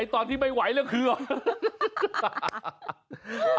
ตอนที่ไม่ไหวแล้วคือหรอ